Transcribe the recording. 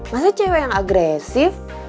masa cewek yang agresif